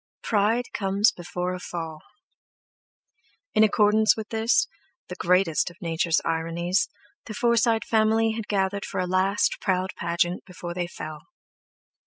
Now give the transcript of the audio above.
"Pride comes before a fall!" In accordance with this, the greatest of Nature's ironies, the Forsyte family had gathered for a last proud pageant before they fell.